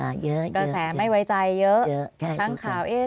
เยอะใช่ครูครับเดี๋ยวแสงไม่ไว้ใจเยอะเข้าข่าวเยอะ